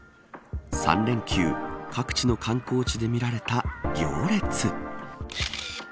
３連休各地の観光地で見られた行列。